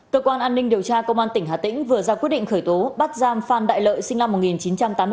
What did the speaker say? cơ quan an ninh điều tra công an tỉnh hà tĩnh vừa ra quyết định khởi tố bắt giam phan đại lợi sinh năm một nghìn chín trăm tám mươi tám